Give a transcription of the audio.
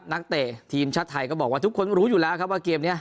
เตะทีมชาติไทยก็บอกว่าทุกคนรู้อยู่แล้วครับว่าเกมนี้